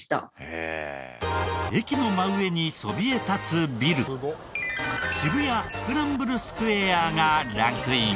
駅の真上にそびえ立つビル渋谷スクランブルスクエアがランクイン。